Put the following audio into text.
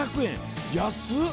安っ！